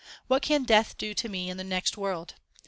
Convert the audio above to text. What can Death do to me in the next world